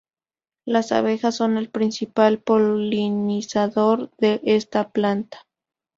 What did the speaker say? Las abejas son el principal polinizador de esta planta.